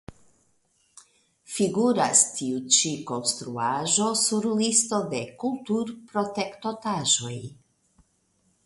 Figuras tiu ĉi konstruaĵo sur listo de kulturprotektotaĵoj.